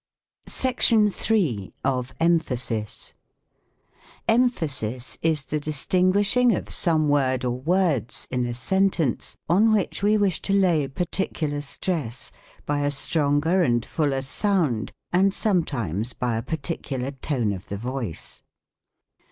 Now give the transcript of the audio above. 114 THE COMIC ENGLISH GRAMMAE. SECTION III. OF EMPHASIS. Emphasis is the distinguishing of some word or words in a sentence, on which we wish to lay particular stress, by a stronger and fuller sound, and sometimes by a particular tone of the voice.